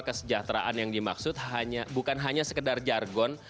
kesejahteraan yang dimaksud bukan hanya sekedar jargon